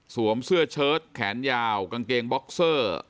เสื้อเชิดแขนยาวกางเกงบ็อกเซอร์